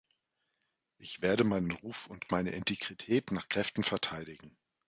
Ich werde meinen Ruf und meine Integrität nach Kräften verteidigen.